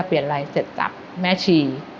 เปลี่ยนไลน์เสร็จจับแม่ชี